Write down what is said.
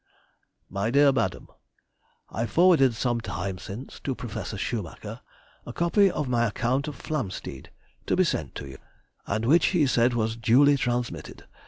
MY DEAR MADAM,— I forwarded some time since, to Professor Schumacher, a copy of my "Account of Flamsteed," to be sent to you; and which he says was duly transmitted.